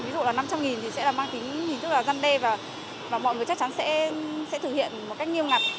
ví dụ là năm trăm linh thì sẽ là mang hình thức tăng đê và mọi người chắc chắn sẽ thực hiện một cách nghiêm ngặt